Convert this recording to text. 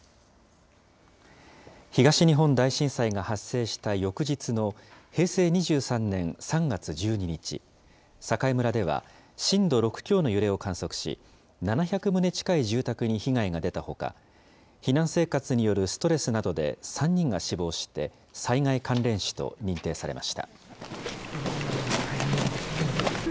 東日本大震災が発生した翌日の平成２３年３月１２日、栄村では震度６強の揺れを観測し、７００棟近い住宅に被害が出たほか、避難生活によるストレスなどで３人が死亡して、災害関連死と認定されました。